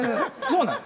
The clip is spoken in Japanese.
そうなの。